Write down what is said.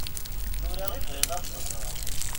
Tura i bɣiɣ ad t-ẓreɣ.